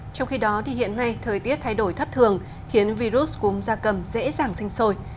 trong khi đó hiện nay thời tiết thay đổi thất thường khiến virus cúm da cầm dễ dàng sinh sôi